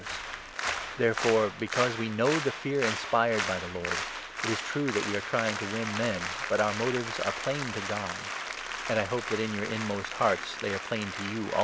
Christ Therefore, because we know the fear inspired 1 1 their Motive by the Lord, it is true that we are trying to win and strength. men, t>ut our motives are plain to God ; and I hope that in your inmost hearts they are plain to you also.